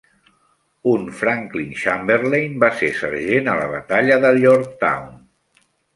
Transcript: Un, Franklin Chamberlain, va ser sergent a la batalla de Yorktown.